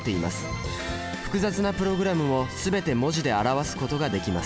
複雑なプログラムを全て文字で表すことができます。